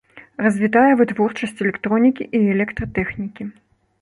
Развітая вытворчасць электронікі і электратэхнікі.